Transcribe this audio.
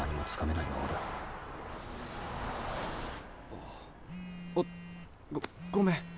あっごっごめん。